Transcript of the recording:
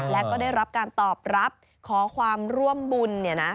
และก็ได้รับการตอบรับขอความร่วมบุญ